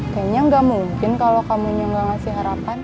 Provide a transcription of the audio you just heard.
kayaknya gak mungkin kalau kamu yang gak ngasih harapan